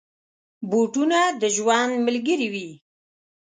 بوټونه د ژوند ملګري وي.